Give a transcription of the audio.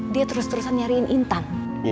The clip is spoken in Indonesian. dia terus terusan nyariin intan